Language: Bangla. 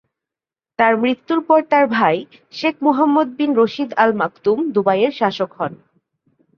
তার মৃত্যুর পর তার ভাই শেখ মোহাম্মদ বিন রশিদ আল মাকতুম দুবাইয়ের শাসক হন।